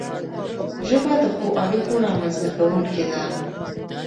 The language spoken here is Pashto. ژبه د ښو اړیکو رامنځته کونکی ده